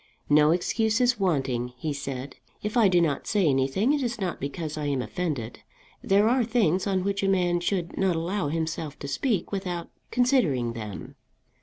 "No excuse is wanting," he said. "If I do not say anything it is not because I am offended. There are things on which a man should not allow himself to speak without considering them."